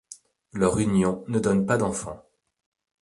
Leur union ne donne pas d'enfants.